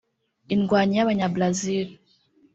indwanyi y’abanyabrazil"